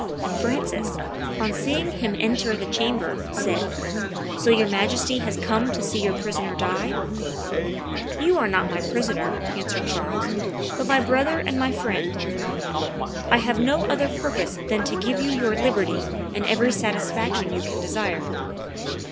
Francis, on seeing him enter the chamber, said, "So your Majesty has come to see your prisoner die?" "You are not my prisoner," answered Charles, "but my brother and my friend: I have no other purpose than to give you your liberty and every satisfaction you can desire."